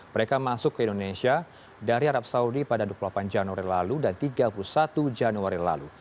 mereka masuk ke indonesia dari arab saudi pada dua puluh delapan januari lalu dan tiga puluh satu januari lalu